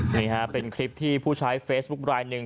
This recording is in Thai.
นี่ฮะเป็นคลิปที่ผู้ใช้เฟซบุ๊คลายหนึ่ง